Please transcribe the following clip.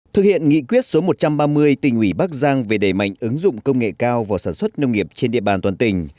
thực hiện nghị quyết số một trăm ba mươi tỉnh ủy bắc giang về đẩy mạnh ứng dụng công nghệ cao vào sản xuất nông nghiệp trên địa bàn toàn tỉnh